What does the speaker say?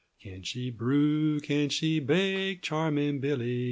Can she brew, can she bake, charming Billy?"